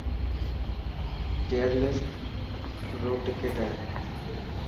چيئرلفٽ روڪ ٽڪٽ هي.